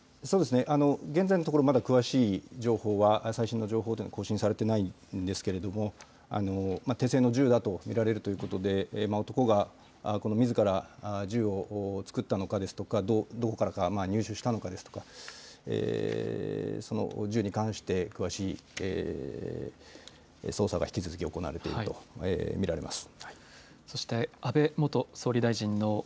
現在のところまだ詳しい情報は、最新の情報というのは更新されていないんですけれども手製の銃だと見られるということで男がみずから銃をつくったのかですとか、どこから入手したのかですとかその銃に関して詳しい捜査が引き続き行われていると見られます。